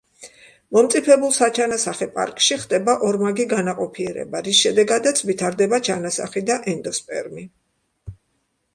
მომწიფებულ საჩანასახე პარკში ხდება ორმაგი განაყოფიერება, რის შედეგადაც ვითარდება ჩანასახი და ენდოსპერმი.